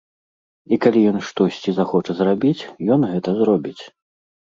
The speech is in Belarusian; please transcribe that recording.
І калі ён штосьці захоча зрабіць, ён гэта зробіць.